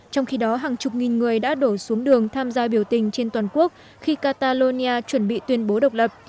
trong khi đó hàng chục nghìn người đã đổ xuống đường tham gia biểu tình trên toàn quốc khi catalonia chuẩn bị tuyên bố độc lập